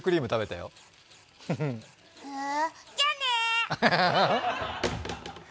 へ、じゃあね。